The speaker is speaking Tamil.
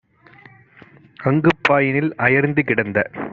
அங்குப் பாயினில் அயர்ந்து கிடந்த